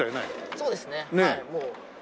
そうですねはい。